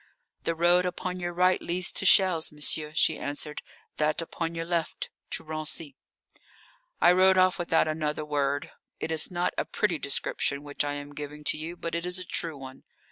"The road upon your right leads to Chelles, monsieur," she answered. "That upon your left to Raincy." I rode off without another word. It is not a pretty description which I am giving to you, but it is a true one.